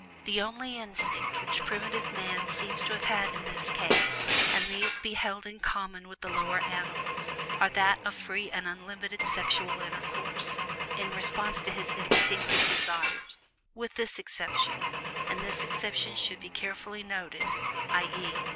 The only instinct which primitive man seems to have had in this case (and these he held in common with the lower animals) was that of free and unlimited sexual intercourse, in response to his instinctive desires, with this exception (and this exception should be carefully noted), i. e.